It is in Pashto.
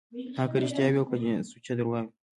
هغه که رښتيا وي او که سوچه درواغ وي.